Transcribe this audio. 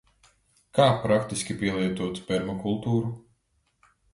Kā praktiski pielietot permakultūru?